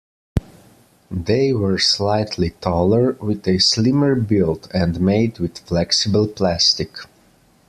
They were slightly taller with a slimmer build, and made with flexible plastic.